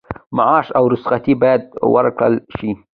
معاش او رخصتي باید ورکړل شي.